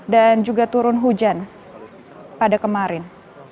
dan juga turun hujan pada kemarin